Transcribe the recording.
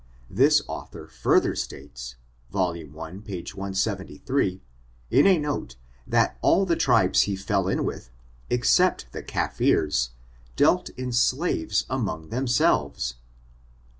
This author further states, vol. 1, p. 173, in a note, that all the tribes he fell in with, except the Cafirees, dealt in slaves among themselves.